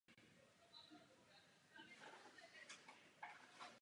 Základem této teorie je přísné oddělení práva a morálky.